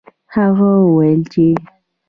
هغه وویل چې